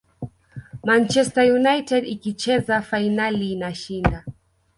manchester united ikicheza fainali inashinda